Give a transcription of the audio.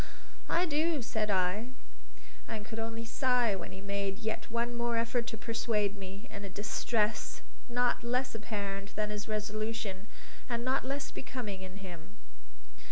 "I do," said I, and could only sigh when he made yet one more effort to persuade me, in a distress not less apparent than his resolution, and not less becoming in him.